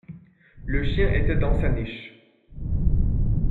Le chien était dans sa niche.